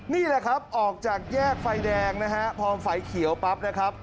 นี่แหละครับออกจากแยกไฟแดงพอไฟเขียวปั๊บ